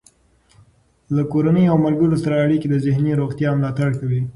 له کورنۍ او ملګرو سره اړیکه د ذهني روغتیا ملاتړ کوي.